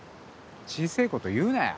小せぇこと言うなよ